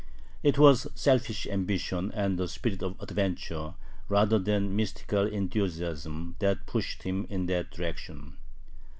It was selfish ambition and the spirit of adventure rather than mystical enthusiasm that pushed him in that direction.